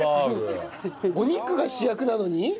お肉が主役なのに？